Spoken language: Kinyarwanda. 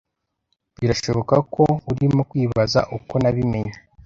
Birashoboka ko urimo kwibaza uko nabimenye.